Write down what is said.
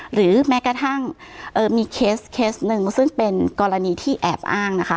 หรือแม้กระทั่งมีเคสหนึ่งซึ่งเป็นกรณีที่แอบอ้างนะคะ